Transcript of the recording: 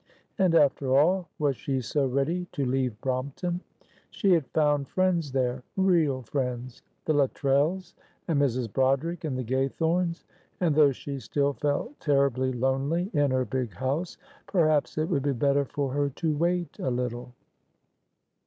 And after all was she so ready to leave Brompton? She had found friends there real friends the Luttrells and Mrs. Broderick and the Gaythornes, and though she still felt terribly lonely in her big house, perhaps it would be better for her to wait a little.